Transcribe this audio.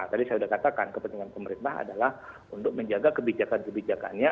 tadi saya sudah katakan kepentingan pemerintah adalah untuk menjaga kebijakan kebijakannya